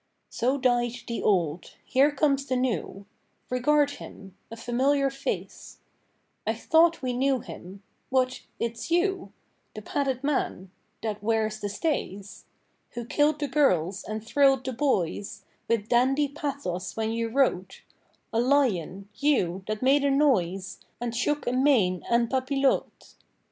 So died the Old: here comes the New: Regard him: a familiar face: I thought we knew him: What, it's you The padded man that wears the stays Who killed the girls and thrill'd the boys With dandy pathos when you wrote, A Lion, you, that made a noise, And shook a mane en papillotes.